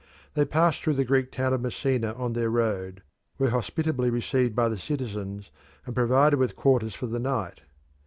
They passed through the Greek town of Messina on their road, were hospitably received by the citizens, and provided with quarters for the night.